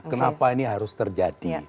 kenapa ini harus terjadi